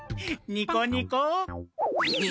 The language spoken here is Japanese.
ニコニコ。